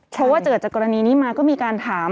เพราะว่าเกิดจากกรณีนี้มาก็มีการถาม